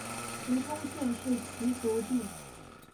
胡宗宪是其族弟。